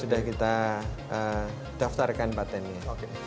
sudah kita daftarkan button nya